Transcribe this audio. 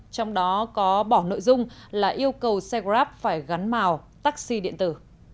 trong đó có bỏ nội dung là yêu cầu xe grab phải gắn màu taxi điện tử